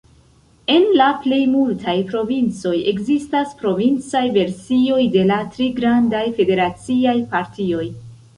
En la plej multaj provincoj ekzistas provincaj versioj de la tri grandaj federaciaj partioj.